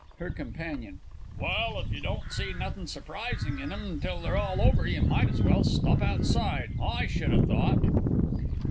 HER COMP. Well, if you don't see nothing surprising in 'em till they're all over, you might as well stop outside, I should ha' thought.